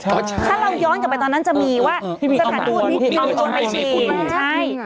ถ้าเราย้อนกลับไปตอนนั้นจะมีว่า